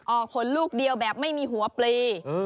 ออกผลลูกเดียวแบบไม่มีหัวปลี